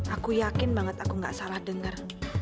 aku yakin banget aku gak salah dengar